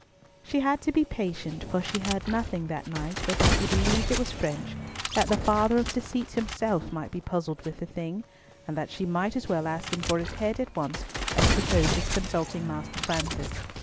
She had to be patient, for she heard nothing that night but that he believed it was French, that the father of deceits himself might be puzzled with the thing, and that she might as well ask him for his head at once as propose his consulting Master Francis.